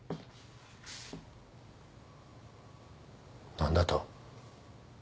何だと？